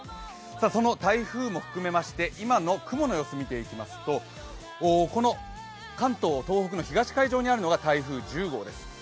その台風も含めまして今の雲の様子見ていきますと、関東・東北の東海上にあるのが台風１０号です。